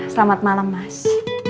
selamat malam mas